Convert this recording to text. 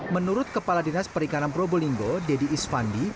menurut kepala dinas perikanan probolinggo dedy isfandi